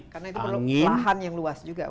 karena itu kalau lahan yang luas juga